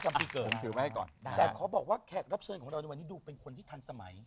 แต่ขอบอกว่าแขกรับเชิญของเราในวันนี้ดูเป็นคนที่ทันสมัย